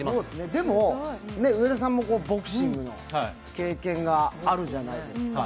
でも、上田さんもボクシングの経験があるじゃないですか。